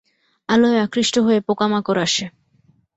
আলোয় আকৃষ্ট হয়ে পোক-মাকড় আসে।